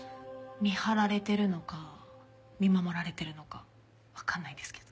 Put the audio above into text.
見張られてるのか見守られてるのかわかんないですけど。